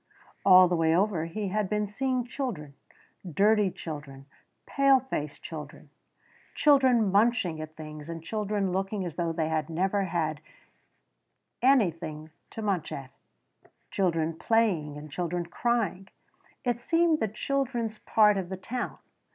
All the way over he had been seeing children: dirty children, pale faced children, children munching at things and children looking as though they had never had anything to munch at children playing and children crying it seemed the children's part of town.